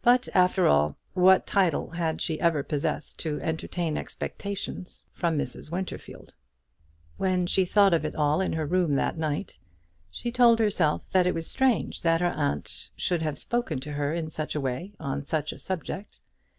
But, after all, what title had she ever possessed to entertain expectations from Mrs. Winterfield? When she thought of it all in her room that night, she told herself that it was strange that her aunt should have spoken to her in such a way on such a subject.